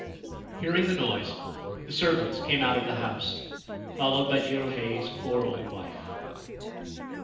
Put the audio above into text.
Hearing the noise, the servants came out of the house, followed by Jirohei's poor old wife.